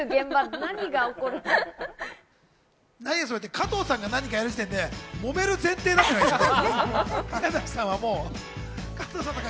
加藤さんが何かやる時点でもめる前提になってないかい？